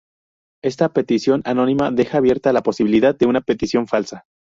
Esta petición anónima deja abierta la posibilidad de una petición falsa.